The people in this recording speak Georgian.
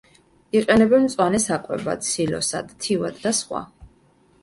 იყენებენ მწვანე საკვებად, სილოსად, თივად და სხვა.